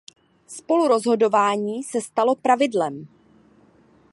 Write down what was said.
Spolurozhodování se stalo pravidlem.